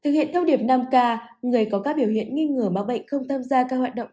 thực hiện thông điệp năm k người có các biểu hiện nghi ngừa bác bệnh không tham gia các hoạt động